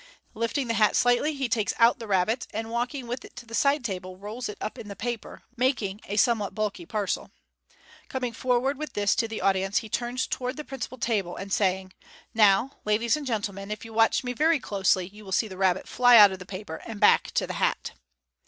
Lifting the hat slightly, he takes out the rabbit, and walking with it to the side table, rolls it up in the paper, making a somewhat bulky parcel. Coming forward with this to the audience, he turns toward the principal table, and saying, '* Now, ladies and gentlemen, if you watch me very closely, you will see the rabbit fly out of the paper, and back to the hat."